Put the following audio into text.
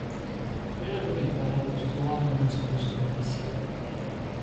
No era l'únic, però, que es trobava en una situació difícil.